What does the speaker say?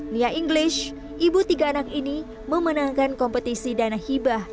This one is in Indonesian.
nia english ibu tiga anak ini memenangkan kompetisi dana hibah